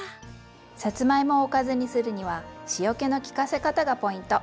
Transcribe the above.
さつまいもをおかずにするには塩気の利かせ方がポイント。